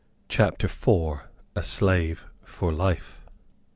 CHAPTER IV. A SLAVE FOR LIFE.